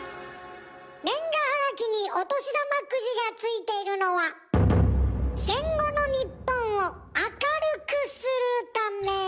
年賀はがきにお年玉くじが付いているのは戦後の日本を明るくするため。